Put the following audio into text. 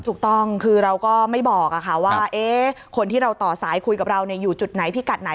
ถูกต้องคือเราก็ไม่บอกว่าคนที่เราต่อสายคุยกับเราอยู่จุดไหนพิกัดไหน